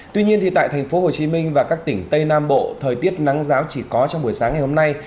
tuy nhiên tại tp hcm và các tỉnh tây nam bộ thời tiết nắng giáo chỉ có trong buổi sáng ngày hôm nay